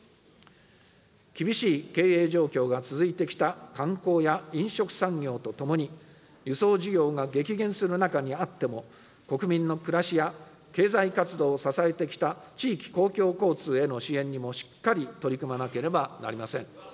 厳しい経営状況が続いてきた観光や飲食産業とともに、輸送需要が激減する中にあっても、国民の暮らしや、経済活動を支えてきた地域公共交通への支援にもしっかり取り組まなければなりません。